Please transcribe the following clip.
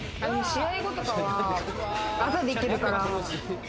試合後とかは、アザできるから。